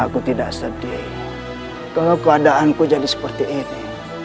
aku sampai lupa dengan janjiku